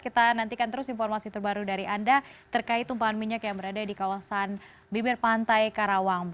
kita nantikan terus informasi terbaru dari anda terkait tumpahan minyak yang berada di kawasan bibir pantai karawang